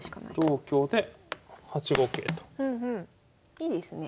いいですね。